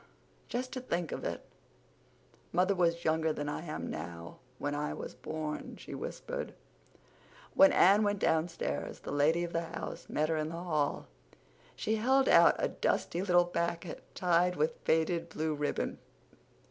"Just to think of it—mother was younger than I am now when I was born," she whispered. When Anne went downstairs the lady of the house met her in the hall. She held out a dusty little packet tied with faded blue ribbon.